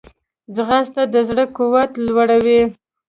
ځغاسته د زړه قوت لوړوي